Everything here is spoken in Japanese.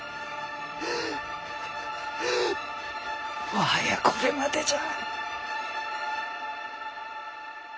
もはやこれまでじゃ。